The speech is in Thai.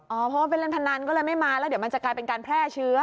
เพราะว่าไปเล่นพนันก็เลยไม่มาแล้วเดี๋ยวมันจะกลายเป็นการแพร่เชื้อ